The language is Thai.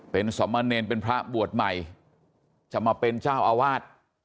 เป็นสมเนรเป็นพระบวชใหม่จะมาเป็นเจ้าอาวาส